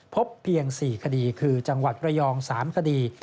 พบเพียง๔คดีคือจังหวัดระยอง๓คดี